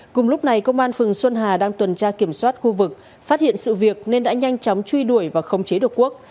cùng lúc này công an phường xuân hà đang tuần tra kiểm soát khu vực phát hiện sự việc nên đã nhanh chóng truy đuổi và khống chế được quốc